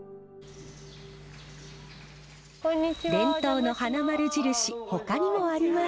伝統の花まる印ほかにもあります。